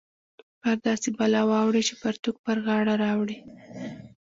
پر داسې بلا واوړې چې پرتوګ پر غاړه راوړې